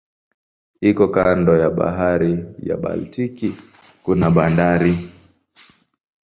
Iko kando ya bahari ya Baltiki kuna bandari.